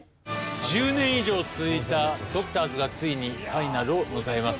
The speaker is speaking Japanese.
１０年以上続いた『ＤＯＣＴＯＲＳ』がついにファイナルを迎えます。